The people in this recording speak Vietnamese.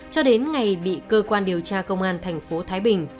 cho đến ngày bị cơ quan điều tra công an tp thái bình triệu tác